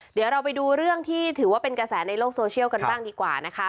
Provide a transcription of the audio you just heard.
เดี๋ยวเราไปดูเรื่องที่ถือว่าเป็นกระแสในโลกโซเชียลกันบ้างดีกว่านะคะ